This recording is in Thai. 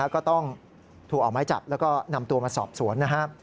ก็ต้องถูกออกไม้จับแล้วก็นำตัวมาสอบสวนนะครับ